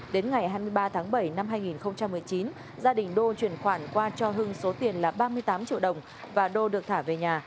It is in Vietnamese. đến ngày hai mươi ba tháng bảy năm hai nghìn một mươi chín gia đình đô chuyển khoản qua cho hưng số tiền là ba mươi tám triệu đồng và đô được thả về nhà